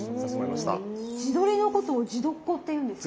地鶏のことを「地頭鶏」って言うんですね。